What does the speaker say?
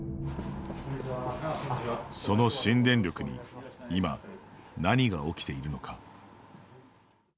その新電力に今、何が起きているのか。